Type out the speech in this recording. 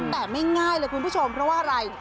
แต่ไม่ง่ายเลยคุณผู้ชมเพราะว่าอะไร